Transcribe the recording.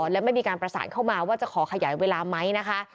และไม่มีการประสานเข้ามาว่าจะขอขยายเวลาไหมนะคะ